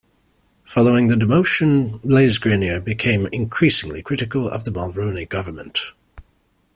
Following the demotion, Blais-Grenier became increasingly critical of the Mulroney government.